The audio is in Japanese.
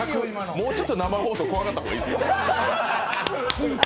もうちょっと、生放送、怖がった方がいいですよ。